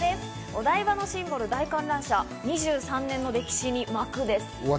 お台場のシンボル・大観覧車、２３年の歴史に幕です。